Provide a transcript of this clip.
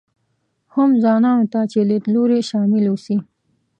هم ځوانانو ته چې لیدلوري شامل اوسي.